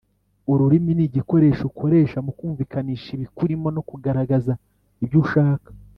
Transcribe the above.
ururimi ni igikoresho ukoresha mu kumvikanisha ibikurimo no kugaragaza ibyo ushaka,